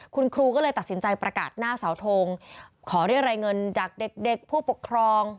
คุณครูก็เลยตัดสินใจประกาศหน้าเสาทงขอเรียกรายเงินจากเด็กผู้ปกครอง